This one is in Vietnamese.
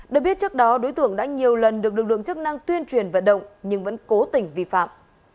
được biết trước đó đối tượng đã nhiều lần được lực lượng chức năng tuyên truyền vận động nhưng vẫn cố tình vi phạm